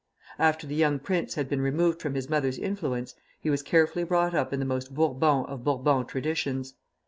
After the young prince had been removed from his mother's influence, he was carefully brought up in the most Bourbon of Bourbon traditions.